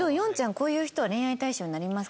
こういう人は恋愛対象になりますか？